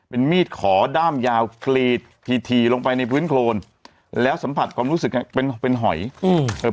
เป็นมีดขอด้ามยาวกรีดถี่ถี่ลงไปในพื้นโครนแล้วสัมผัสความรู้สึกเนี้ยเป็นเป็นหอยอืมเออ